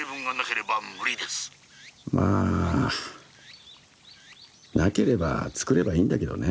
まあなければ作ればいいんだけどね。